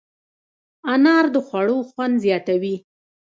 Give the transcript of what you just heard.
انار د خوړو خوند زیاتوي.